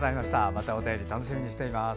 またお便り楽しみにしています。